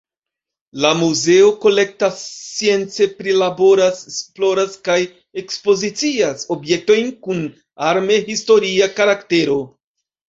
La muzeo kolektas, science prilaboras, esploras kaj ekspozicias objektojn kun arme-historia karaktero.